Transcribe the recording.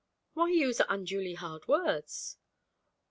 'Why use unduly hard words?'